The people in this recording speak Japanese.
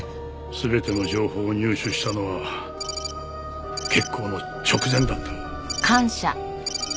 全ての情報を入手したのは決行の直前だった。